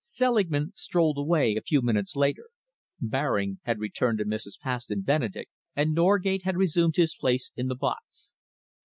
Selingman strolled away, a few minutes later. Baring had returned to Mrs. Paston Benedek, and Norgate had resumed his place in the box.